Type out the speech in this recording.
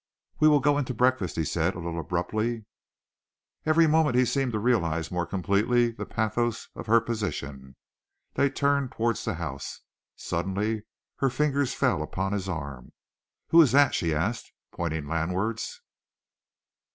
"We will go in to breakfast," he said, a little abruptly. Every moment he seemed to realize more completely the pathos of her position. They turned towards the house. Suddenly her fingers fell upon his arm. "Who is that?" she asked, pointing landwards.